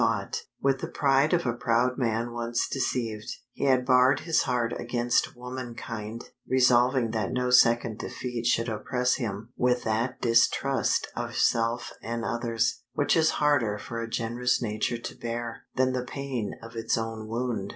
With the pride of a proud man once deceived, he had barred his heart against womankind, resolving that no second defeat should oppress him with that distrust of self and others, which is harder for a generous nature to bear, than the pain of its own wound.